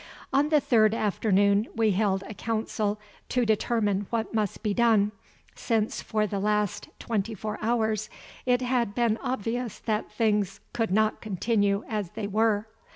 On the third afternoon we held a council to determine what must be done, since for the last twenty four hours it had been obvious that things could not continue as they were.